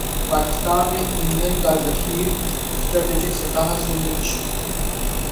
پاکستان میں ایندھن کا ذخیرہ اسٹریٹجک سطح سے نیچے